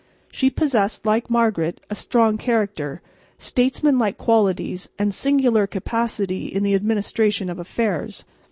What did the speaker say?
She possessed, like Margaret, a strong character, statesmanlike qualities and singular capacity in the administration of affairs.